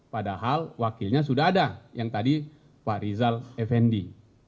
padahal wakilnya sudah ada yang tadi pak rizal effendi